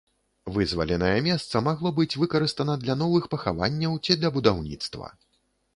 Вызваленае месца магло быць выкарыстана для новых пахаванняў ці для будаўніцтва.